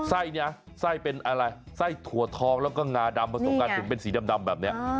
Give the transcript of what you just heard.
ไส้เนี่ยไส้เป็นอะไรไส้ถั่วทองแล้วก็งาดำผสมกันถึงเป็นสีดำแบบนี้